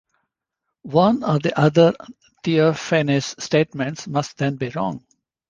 One or the other of Theophanes's statements must then be wrong.